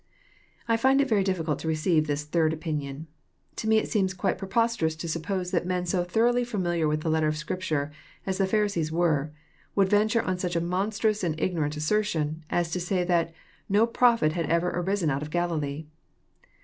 I find it very difflcalt to receive this third opinion. To me it seems quite preposterous to suppose that men so thoroughly familiar with the letter of Scripture, as the Pharisees were, would venture on such a monstrous and ignorant assertion, as to say that no prophet had ever arisen out of Galilee!"